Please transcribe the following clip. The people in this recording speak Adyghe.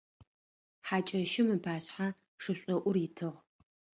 Хьакӏэщым ыпашъхьэ шышӏоӏур итыгъ.